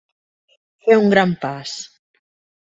Fer un gran pas.